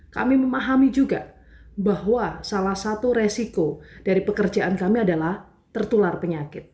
kami memahami juga bahwa salah satu resiko dari pekerjaan kami adalah tertular penyakit